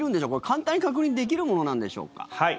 簡単に確認できるものなんでしょうか。